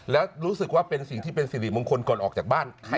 แล้วรู้สึกว่าเป็นสิ่งที่เป็นสิริมงคลก่อนออกจากบ้าน